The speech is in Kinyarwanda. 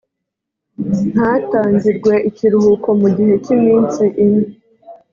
ntatangirwe ikiruhuko mu gihe cy’iminsi ine